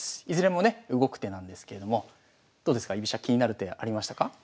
いずれもね動く手なんですけれどもどうですか居飛車気になる手ありましたか？